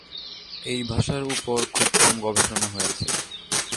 এই ভাষার উপর খুব কম গবেষণা হয়েছে।